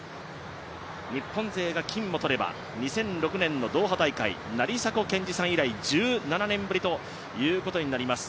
日本勢が金をとれば２００６年のドーハ大会成迫健児さん以来、１７年ぶりということになります。